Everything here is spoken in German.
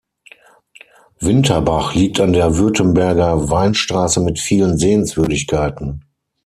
Winterbach liegt an der Württemberger Weinstraße mit vielen Sehenswürdigkeiten.